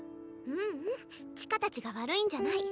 ううん千歌たちが悪いんじゃない。